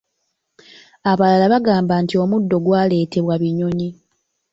Abalala bagamba nti omuddo gwaleetebwa binyonyi.